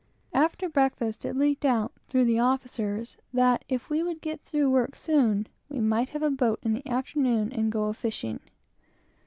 After breakfast, it leaked out, through the officers, that if we would get through our work soon, we might have a boat in the afternoon and go fishing.